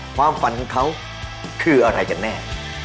ความฝันของเขาคืออะไรกันแน่